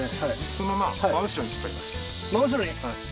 そのまま真後ろに引っ張ります。